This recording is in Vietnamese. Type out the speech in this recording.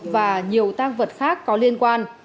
và nhiều tăng vật khác có liên quan